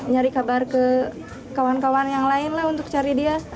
nyari kabar ke kawan kawan yang lain lah untuk cari dia